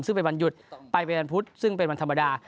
ซึ่งเป็นวันหยุดไปเป็นวันพุธซึ่งเป็นวันธรรมดา